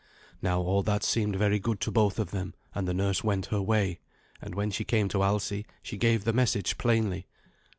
Now, all that seemed very good to both of them, and the nurse went her way. And when she came to Alsi, she gave the message plainly.